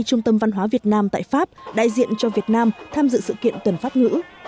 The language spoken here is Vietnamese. trung tâm văn hóa việt nam tại pháp đại diện cho việt nam tham dự sự kiện tuần pháp ngữ